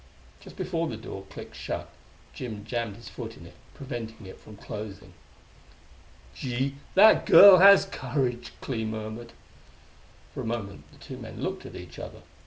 Just before the door clicked shut, Jim jammed his foot in it, preventing it from closing. "Gee, that girl has courage!" Clee murmured. For a moment the two men looked at each other.